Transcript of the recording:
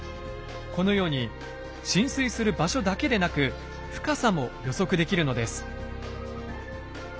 このように浸水する場所だけでなく深さも予測できるのです。